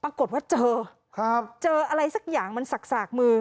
ปรากฏว่าเจอ